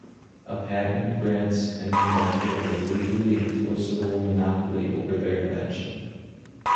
A patent grants an inventor a legally enforceable monopoly over their invention.